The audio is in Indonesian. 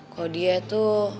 kok dia tuh